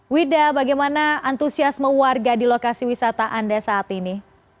wida bagaimana antusiasme warga di lokasi wisata anda saat ini